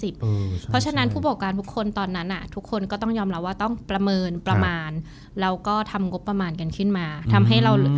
เพราะฉะนั้นผู้ปกครองทุกคนตอนนั้นทุกคนก็ต้องยอมรับว่าต้องประเมินประมาณแล้วก็ทำงบประมาณกันขึ้นมาทำให้เรา